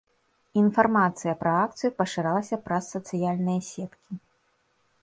Інфармацыя пра акцыю пашыралася праз сацыяльныя сеткі.